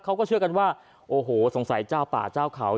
เขาก็เชื่อกันว่าโอ้โหสงสัยเจ้าป่าเจ้าเขา